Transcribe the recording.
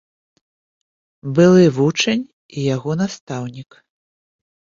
Былы вучань і яго настаўнік.